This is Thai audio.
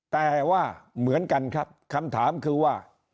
แต่ว่าเหมือนกันครับคำถามคือว่า